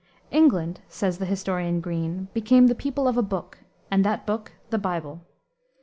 "England," says the historian Green, "became the people of a book, and that book the Bible."